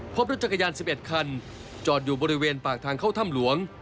พบรถจักรยาน๑๑คันจอดอยู่บริเวณปากทางเข้าถ้ำหลวง